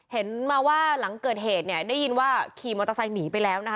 เห็นมาว่าหลังเกิดเหตุเนี่ยได้ยินว่าขี่มอเตอร์ไซค์หนีไปแล้วนะคะ